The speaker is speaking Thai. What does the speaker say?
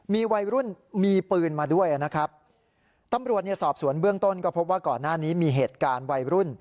มีวัยรุ่นมีปืนมาด้วยนะครับตำรวจเนี่ยสอบสวนเบื้องต้นก็พบว่าก่อนหน้านี้มีเหตุการณ์วัยรุ่น